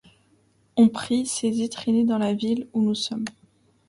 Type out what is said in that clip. Ont pris, saisis, traînés dans la ville où nous sommes